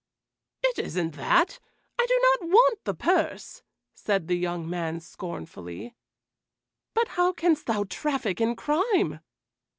'" "It isn't that! I do not want the purse," said the young man scornfully; "but how canst thou traffic in crime?"